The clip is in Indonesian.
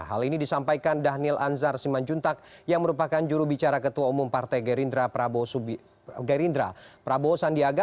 hal ini disampaikan dhanil anzar simanjuntak yang merupakan jurubicara ketua umum partai gerindra prabowo sandiaga